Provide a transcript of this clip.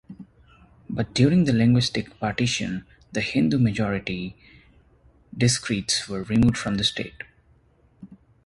But during the linguistic partition, the Hindu-majority districts were removed from the state.